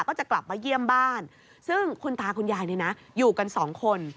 ก็จะกลับมาเยี่ยมบ้านซึ่งคุณตาคุณยายอยู่กัน๒คน